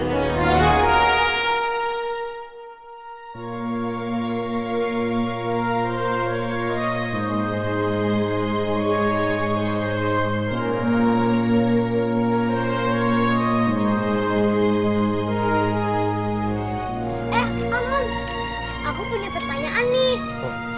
eh om om aku punya pertanyaan nih